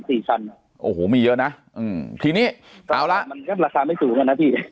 สี่ชั้นโอ้โหมีเยอะนะอืมทีนี้เอาละมันก็ราคาไม่สูงอ่ะนะพี่